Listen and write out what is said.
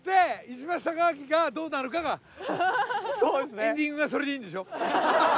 エンディングがそれでいいんでしょ？